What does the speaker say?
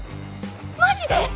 マジで？